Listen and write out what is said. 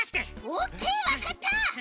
オッケーわかった！